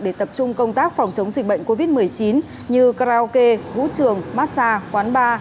để tập trung công tác phòng chống dịch bệnh covid một mươi chín như karaoke vũ trường massage quán bar